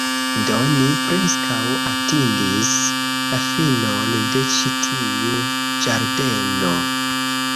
Do, ni preskaŭ atingis la finon de ĉi tiu ĝardeno